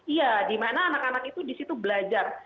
iya di mana anak anak itu di situ belajar